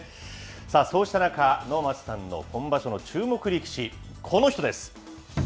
そうした中、能町さんの今場所の注目力士、この人です。